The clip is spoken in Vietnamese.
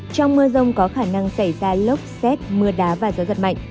trong mưa rông có khả năng xảy ra lốc xét mưa đá và gió giật mạnh